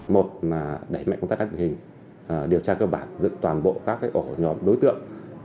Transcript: một là đẩy mạnh công tác áp dụng hình điều tra cơ bản dựng toàn bộ các ổ nhóm đối tượng